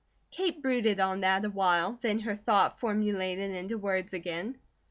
Kate brooded on that awhile, then her thought formulated into words again.